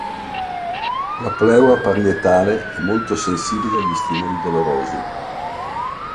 La pleura parietale è molto sensibile agli stimoli dolorosi.